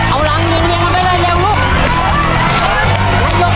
เอาหลังเย็นมาไปเร็วลุก